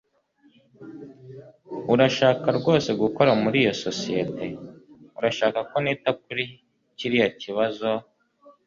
urashaka rwose gukora muri iyo sosiyete? urashaka ko nita kuri kiriya kibazo